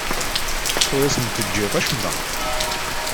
Ur asen-d-teǧǧiḍ acemma.